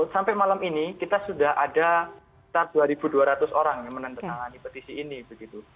sampai malam ini kita sudah ada dua dua ratus orang yang menandatangani petisi ini begitu